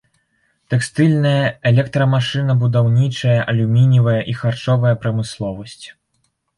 Тэкстыльная, электрамашынабудаўнічая, алюмініевая і харчовая прамысловасць.